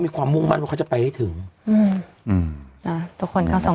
ความมุ่งมั่นว่าเขาจะไปให้ถึงอืมอืมนะทุกคนก็ส่ง